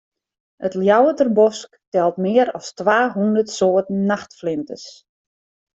It Ljouwerter Bosk telt mear as twa hûndert soarten nachtflinters.